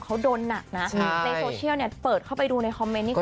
เขาโดนหนักนะในโฟเซียลเปิดเข้าไปดูในคอมเม้นท์นี่คือ